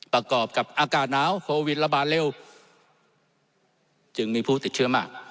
ประกอบกับอากาศหนาวโควิดระบาดเร็วจึงมีผู้ติดเชื้อมาก